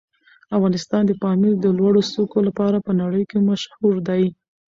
افغانستان د پامیر د لوړو څوکو لپاره په نړۍ مشهور دی.